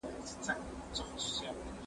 زه له سهاره درسونه اورم!!